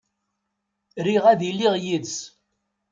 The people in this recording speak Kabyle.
Riɣ ad iliɣ yid-s.